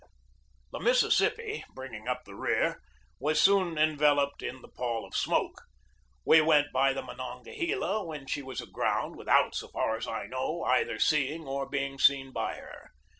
The Mississippi, bringing up the rear, was soon enveloped in the pall of smoke. We went by the Monongahela when she was aground without, so far as I know, either seeing or being seen by her.